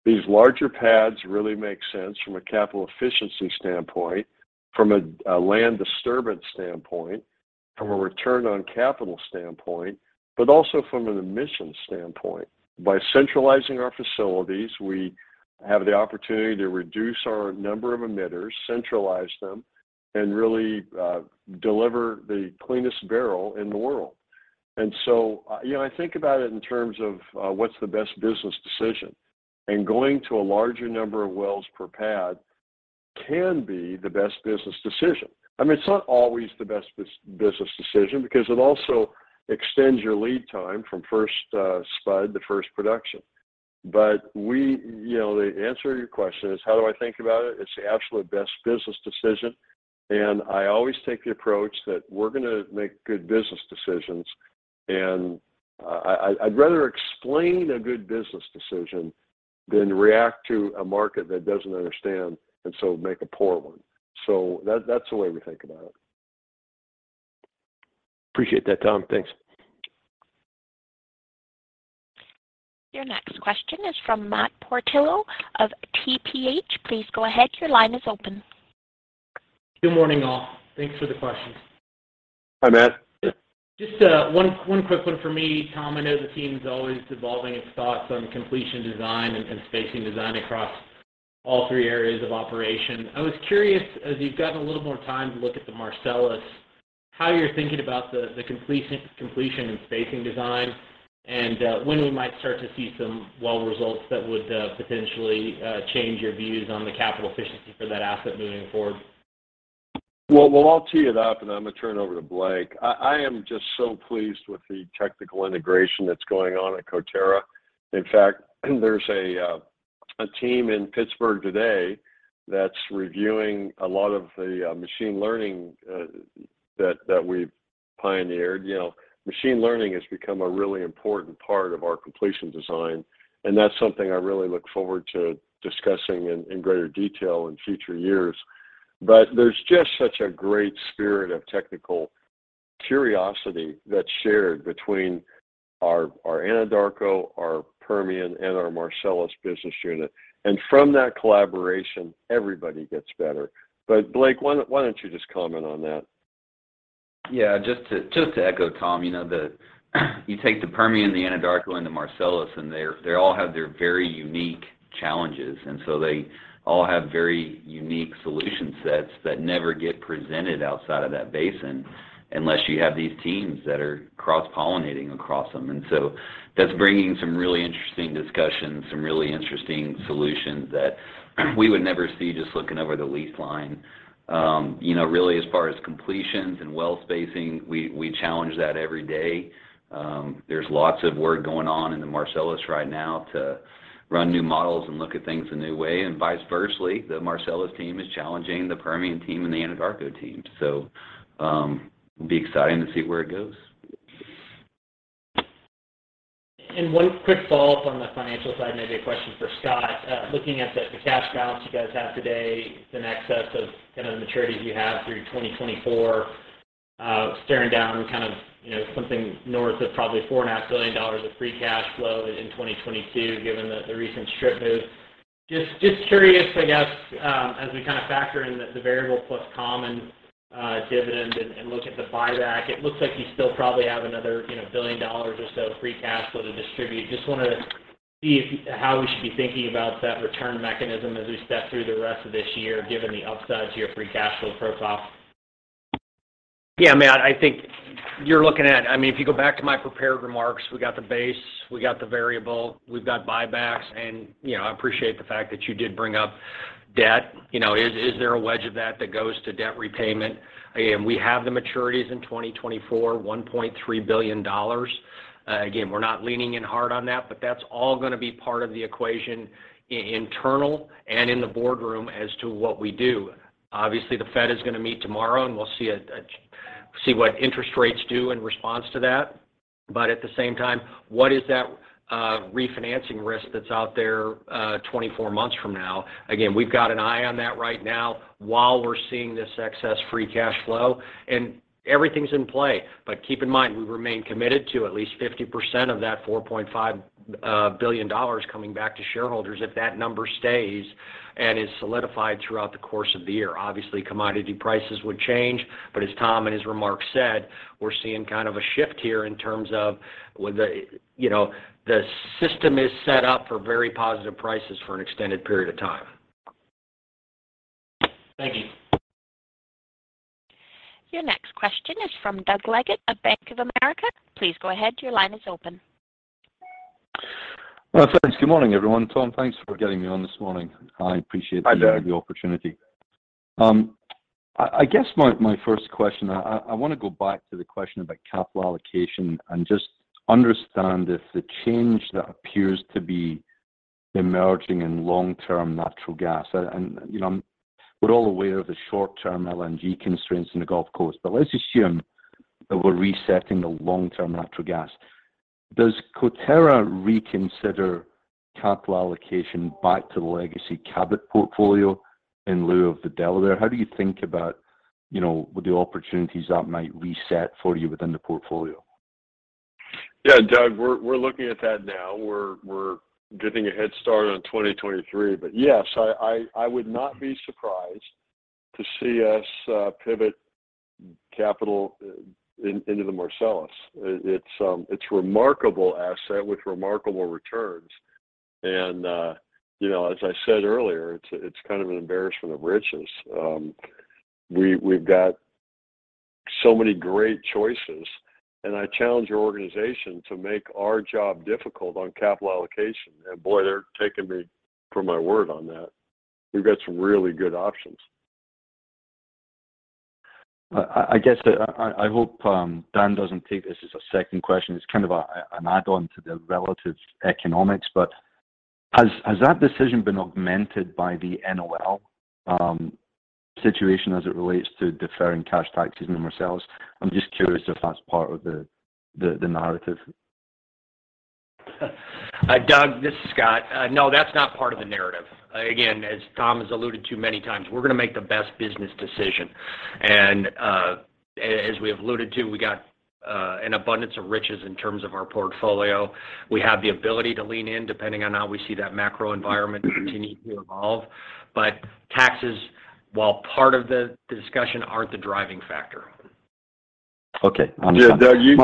These larger pads really make sense from a capital efficiency standpoint, from a land disturbance standpoint, from a return on capital standpoint, but also from an emissions standpoint. By centralizing our facilities, we have the opportunity to reduce our number of emitters, centralize them, and really deliver the cleanest barrel in the world. You know, I think about it in terms of what's the best business decision, and going to a larger number of wells per pad can be the best business decision. I mean, it's not always the best business decision because it also extends your lead time from first spud to first production. You know, the answer to your question is how do I think about it? It's the absolute best business decision, and I always take the approach that we're gonna make good business decisions. I'd rather explain a good business decision than react to a market that doesn't understand and so make a poor one. That, that's the way we think about it. Appreciate that, Tom. Thanks. Your next question is from Matt Portillo of TPH. Please go ahead. Your line is open. Good morning, all. Thanks for the questions. Hi, Matt. Just one quick one for me, Tom. I know the team's always evolving its thoughts on completion design and spacing design across all three areas of operation. I was curious, as you've gotten a little more time to look at the Marcellus, how you're thinking about the completion and spacing design, and when we might start to see some well results that would potentially change your views on the capital efficiency for that asset moving forward? Well, I'll tee it up, and I'm gonna turn it over to Blake. I am just so pleased with the technical integration that's going on at Coterra. In fact, there's a team in Pittsburgh today that's reviewing a lot of the machine learning that we've pioneered. You know, machine learning has become a really important part of our completion design, and that's something I really look forward to discussing in greater detail in future years. There's just such a great spirit of technical curiosity that's shared between our Anadarko, our Permian, and our Marcellus business unit. From that collaboration, everybody gets better. Blake, why don't you just comment on that? Yeah, just to echo Tom, you know, you take the Permian, the Anadarko, and the Marcellus, and they all have their very unique challenges. They all have very unique solution sets that never get presented outside of that basin unless you have these teams that are cross-pollinating across them. That's bringing some really interesting discussions, some really interesting solutions that we would never see just looking over the lease line. You know, really as far as completions and well spacing, we challenge that every day. There's lots of work going on in the Marcellus right now to run new models and look at things a new way. Vice versa, the Marcellus team is challenging the Permian team and the Anadarko team. It'll be exciting to see where it goes. One quick follow-up on the financial side, maybe a question for Scott. Looking at the cash balance you guys have today in excess of kind of the maturities you have through 2024, staring down kind of, you know, something north of probably $4.5 billion of free cash flow in 2022, given the recent strip move. Just curious, I guess, as we kind of factor in the variable plus common dividend and look at the buyback, it looks like you still probably have another, you know, $1 billion or so of free cash flow to distribute. Just wanna see how we should be thinking about that return mechanism as we step through the rest of this year, given the upside to your free cash flow profile. Yeah, Matt, I think you're looking at. I mean, if you go back to my prepared remarks, we got the base, we got the variable, we've got buybacks. You know, I appreciate the fact that you did bring up debt. You know, is there a wedge of that that goes to debt repayment? Again, we have the maturities in 2024, $1.3 billion. Again, we're not leaning in hard on that, but that's all gonna be part of the equation internal and in the boardroom as to what we do. Obviously, the Fed is gonna meet tomorrow, and we'll see what interest rates do in response to that. At the same time, what is that refinancing risk that's out there, 24 months from now? Again, we've got an eye on that right now while we're seeing this excess free cash flow, and everything's in play. Keep in mind, we remain committed to at least 50% of that $4.5 billion coming back to shareholders if that number stays and is solidified throughout the course of the year. Obviously, commodity prices would change, but as Tom in his remarks said, we're seeing kind of a shift here in terms of, you know, the system is set up for very positive prices for an extended period of time. Thank you. Your next question is from Doug Leggate of Bank of America. Please go ahead. Your line is open. Thanks. Good morning, everyone. Tom, thanks for getting me on this morning. I appreciate the Hi, Doug. the opportunity. I guess my first question. I want to go back to the question about capital allocation and just understand if the change that appears to be emerging in long-term natural gas. You know, we're all aware of the short-term LNG constraints in the Gulf Coast, but let's assume that we're resetting the long-term natural gas. Does Coterra reconsider capital allocation back to the legacy Cabot portfolio in lieu of the Delaware? How do you think about, you know, with the opportunities that might reset for you within the portfolio? Yeah, Doug, we're looking at that now. We're getting a head start on 2023. Yes, I would not be surprised to see us pivot capital into the Marcellus. It's a remarkable asset with remarkable returns. You know, as I said earlier, it's kind of an embarrassment of riches. We've got so many great choices, and I challenge our organization to make our job difficult on capital allocation. Boy, they're taking me at my word on that. We've got some really good options. I guess I hope Dan doesn't take this as a second question. It's kind of an add-on to the relative economics. Has that decision been augmented by the NOL situation as it relates to deferring cash taxes in the Marcellus? I'm just curious if that's part of the narrative. Doug, this is Scott. No, that's not part of the narrative. Again, as Tom has alluded to many times, we're gonna make the best business decision. As we have alluded to, we got an abundance of riches in terms of our portfolio. We have the ability to lean in depending on how we see that macro environment continue to evolve. Taxes, while part of the discussion, aren't the driving factor. Okay. Understood. Doug, you're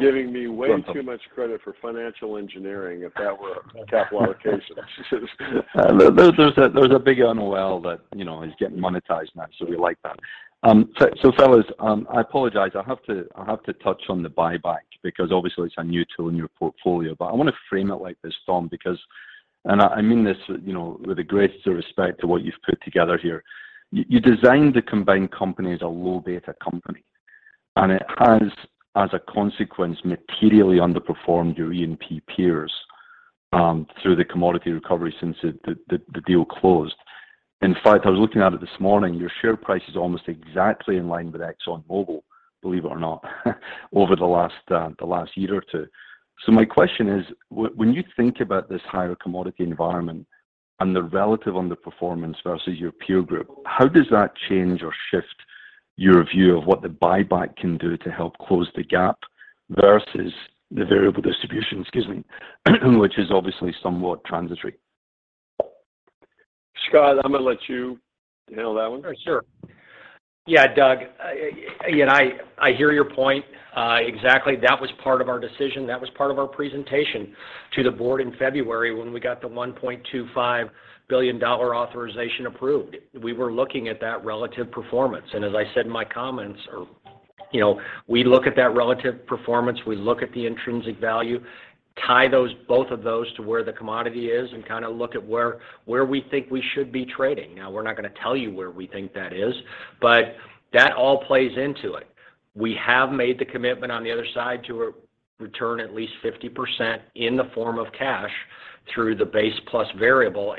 giving me way too much credit for financial engineering if that were a capital allocation. There's a big NOL that, you know, is getting monetized now, so we like that. Fellas, I apologize. I have to touch on the buyback because obviously it's a new tool in your portfolio. I want to frame it like this, Tom, because, and I mean this, you know, with the greatest of respect to what you've put together here. You designed the combined company as a low beta company, and it has, as a consequence, materially underperformed your E&P peers through the commodity recovery since the deal closed. In fact, I was looking at it this morning. Your share price is almost exactly in line with ExxonMobil, believe it or not, over the last year or two. My question is, when you think about this higher commodity environment and the relative underperformance versus your peer group, how does that change or shift your view of what the buyback can do to help close the gap versus the variable distribution, excuse me, which is obviously somewhat transitory? Scott, I'm gonna let you handle that one. Sure. Yeah, Doug, you know, I hear your point. Exactly. That was part of our decision. That was part of our presentation to the board in February when we got the $1.25 billion authorization approved. We were looking at that relative performance. As I said in my comments, you know, we look at that relative performance, we look at the intrinsic value, tie both of those to where the commodity is and kind of look at where we think we should be trading. Now, we're not gonna tell you where we think that is, but that all plays into it. We have made the commitment on the other side to return at least 50% in the form of cash through the base plus variable.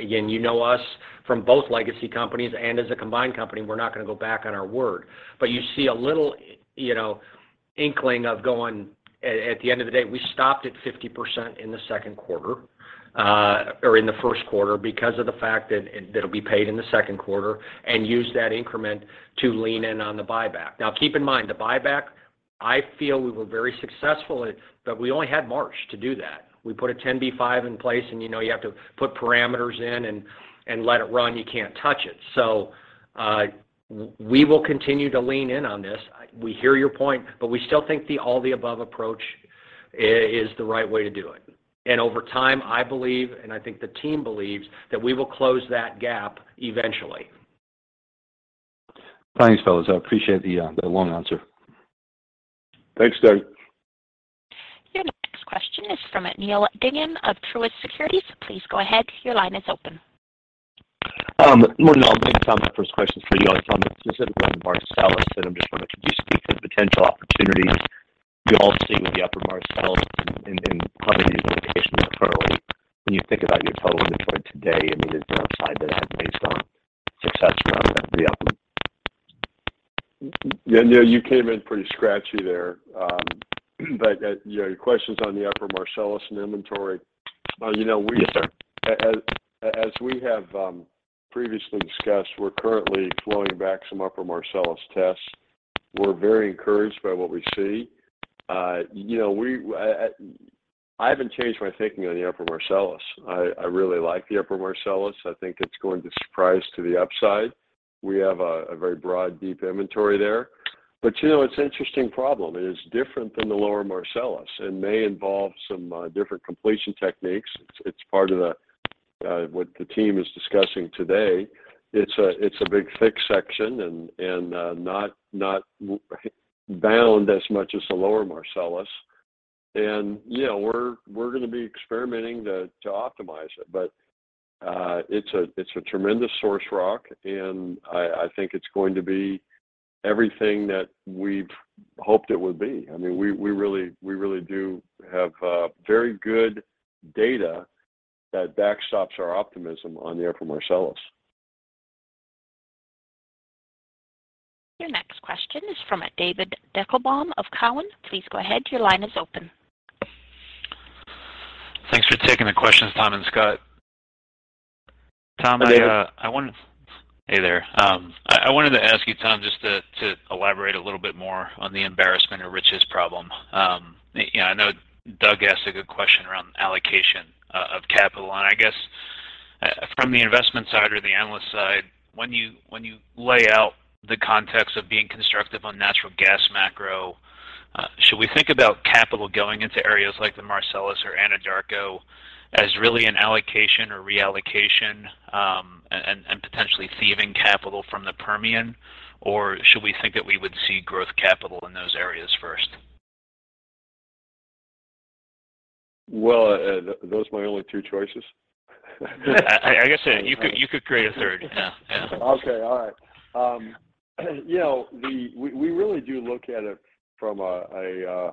Again, you know us from both legacy companies and as a combined company, we're not gonna go back on our word. But you see a little, you know, inkling of going at the end of the day, we stopped at 50% in the second quarter, or in the first quarter because of the fact that it'll be paid in the second quarter and use that increment to lean in on the buyback. Now, keep in mind, the buyback, I feel we were very successful at, but we only had March to do that. We put a 10b5-1 in place, and you know you have to put parameters in and let it run. You can't touch it. We will continue to lean in on this. We hear your point, but we still think the all-the-above approach is the right way to do it. Over time, I believe, and I think the team believes, that we will close that gap eventually. Thanks, fellas. I appreciate the long answer. Thanks, Doug. Your next question is from Neal Dingmann of Truist Securities. Please go ahead. Your line is open. More than anything, Tom, my first question is for you. On the specific Marcellus, I'm just wondering, could you speak to the potential opportunities you all see with the upper Marcellus in light of the unification internally when you think about your total deployed today and the downside that is based on success around that re-op? Yeah. Neil, you came in pretty scratchy there, but you know, your question's on the Upper Marcellus and inventory. You know, we- Yes, sir. As we have previously discussed, we're currently flowing back some upper Marcellus tests. We're very encouraged by what we see. You know, I haven't changed my thinking on the upper Marcellus. I really like the upper Marcellus. I think it's going to surprise to the upside. We have a very broad, deep inventory there. You know, it's an interesting problem, and it's different than the lower Marcellus and may involve some different completion techniques. It's part of what the team is discussing today. It's a big thick section and not water-bound as much as the lower Marcellus. You know, we're gonna be experimenting to optimize it, but it's a tremendous source rock, and I think it's going to be everything that we've hoped it would be. I mean, we really do have very good data that backstops our optimism on the Upper Marcellus. Your next question is from David Deckelbaum of Cowen. Please go ahead. Your line is open. Thanks for taking the questions, Tom and Scott. Tom, I, Hi, David. Hey there. I wanted to ask you, Tom, just to elaborate a little bit more on the embarrassment of riches problem. You know, I know Doug asked a good question around allocation of capital. I guess from the investment side or the analyst side, when you lay out the context of being constructive on natural gas macro, should we think about capital going into areas like the Marcellus or Anadarko as really an allocation or reallocation, and potentially thieving capital from the Permian? Or should we think that we would see growth capital in those areas first? Well, are those my only two choices? I guess you could create a third. Yeah. Okay. All right. You know, we really do look at it from a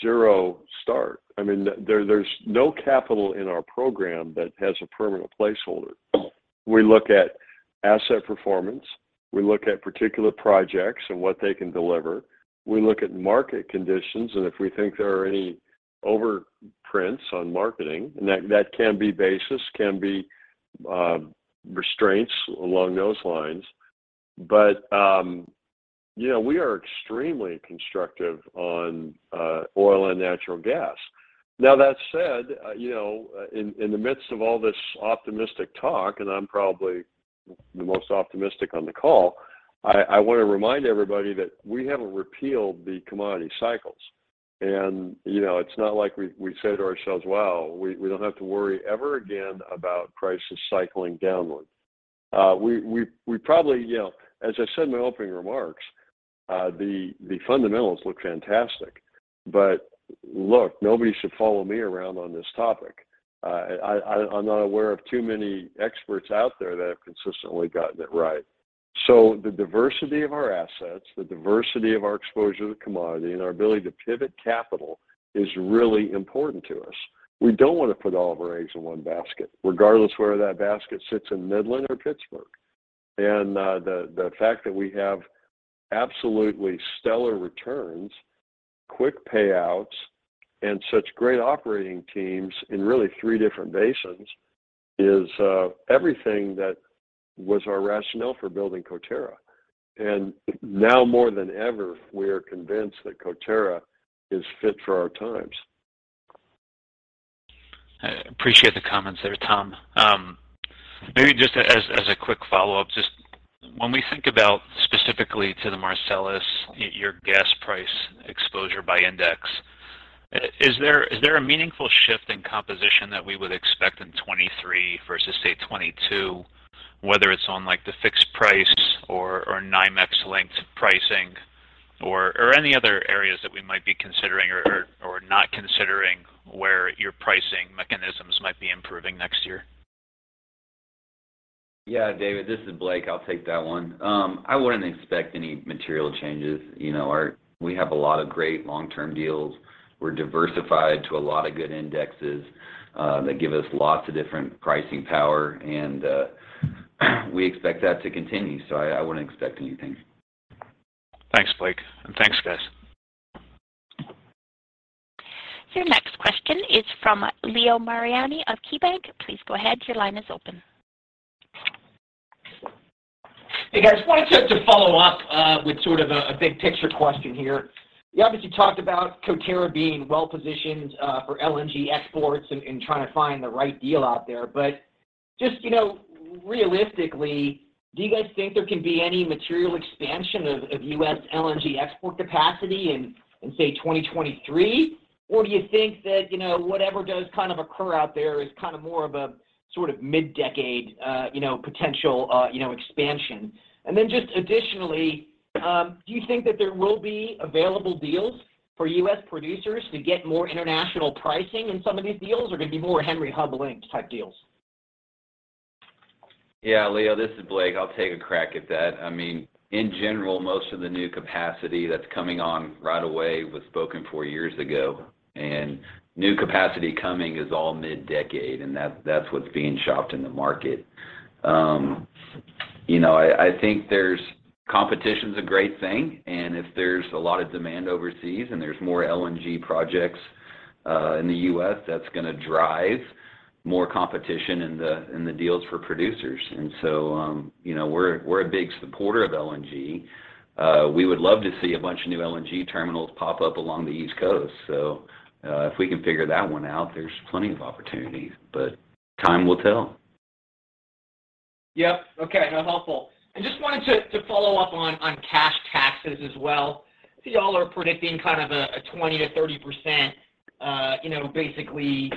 zero start. I mean, there's no capital in our program that has a permanent placeholder. We look at asset performance. We look at particular projects and what they can deliver. We look at market conditions, and if we think there are any overprints on marketing, and that can be basis, can be restraints along those lines. You know, we are extremely constructive on oil and natural gas. Now, that said, you know, in the midst of all this optimistic talk, and I'm probably the most optimistic on the call, I wanna remind everybody that we haven't repealed the commodity cycles. You know, it's not like we say to ourselves, "Wow, we don't have to worry ever again about prices cycling downward." We probably, you know, as I said in my opening remarks, the fundamentals look fantastic. But look, nobody should follow me around on this topic. I'm not aware of too many experts out there that have consistently gotten it right. The diversity of our assets, the diversity of our exposure to commodity, and our ability to pivot capital is really important to us. We don't want to put all of our eggs in one basket, regardless of where that basket sits in Midland or Pittsburgh. The fact that we have absolutely stellar returns, quick payouts, and such great operating teams in really three different basins is everything that was our rationale for building Coterra. Now more than ever, we are convinced that Coterra is fit for our times. I appreciate the comments there, Tom. Maybe just as a quick follow-up, just when we think about specifically to the Marcellus, your gas price exposure by index, is there a meaningful shift in composition that we would expect in 2023 versus, say, 2022, whether it's on, like, the fixed price or NYMEX-linked pricing or any other areas that we might be considering or not considering where your pricing mechanisms might be improving next year? Yeah, David, this is Blake. I'll take that one. I wouldn't expect any material changes. You know, we have a lot of great long-term deals. We're diversified to a lot of good indexes that give us lots of different pricing power, and we expect that to continue. I wouldn't expect anything. Thanks, Blake, and thanks, guys. Your next question is from Leo Mariani of KeyBanc. Please go ahead. Your line is open. Hey, guys. Wanted to follow up with sort of a big picture question here. You obviously talked about Coterra being well-positioned for LNG exports and trying to find the right deal out there. Just, you know, realistically, do you guys think there can be any material expansion of U.S. LNG export capacity in, say, 2023? Or do you think that, you know, whatever does kind of occur out there is kind of more of a sort of mid-decade, you know, potential expansion? Just additionally, do you think that there will be available deals for U.S. producers to get more international pricing in some of these deals, or are they gonna be more Henry Hub linked type deals? Yeah, Leo, this is Blake. I'll take a crack at that. I mean, in general, most of the new capacity that's coming on right away was spoken for years ago. New capacity coming is all mid-decade, and that's what's being shopped in the market. You know, I think there's competition. Competition's a great thing, and if there's a lot of demand overseas, and there's more LNG projects in the U.S., that's gonna drive more competition in the deals for producers. We're a big supporter of LNG. We would love to see a bunch of new LNG terminals pop up along the East Coast. If we can figure that one out, there's plenty of opportunities, but time will tell. Yep. Okay. No, helpful. I just wanted to follow up on cash taxes as well. So y'all are predicting kind of a 20%-30%, you know, basically,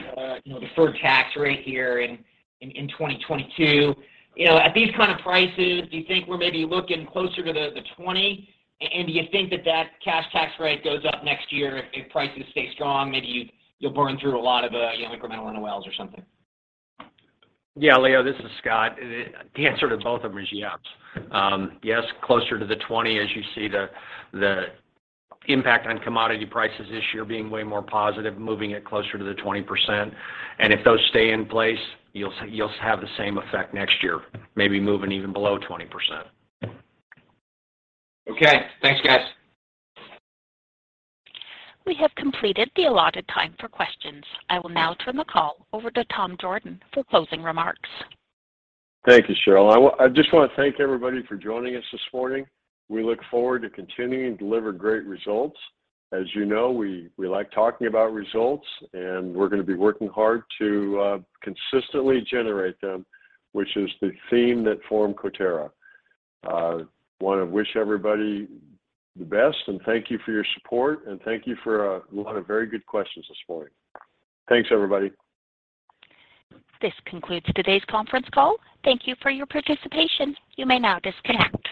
you know, deferred tax rate here in 2022. You know, at these kind of prices, do you think we're maybe looking closer to the 20%? And do you think that cash tax rate goes up next year if prices stay strong? Maybe you'll burn through a lot of, you know, incremental in the wells or something. Yeah, Leo, this is Scott. The answer to both of them is yep. Yes, closer to the 20% as you see the impact on commodity prices this year being way more positive, moving it closer to the 20%. If those stay in place, you'll have the same effect next year, maybe moving even below 20%. Okay. Thanks, guys. We have completed the allotted time for questions. I will now turn the call over to Tom Jorden for closing remarks. Thank you, Cheryl. I just wanna thank everybody for joining us this morning. We look forward to continuing to deliver great results. As you know, we like talking about results, and we're gonna be working hard to consistently generate them, which is the theme that formed Coterra. Wanna wish everybody the best, and thank you for your support, and thank you for a lot of very good questions this morning. Thanks, everybody. This concludes today's conference call. Thank you for your participation. You may now disconnect.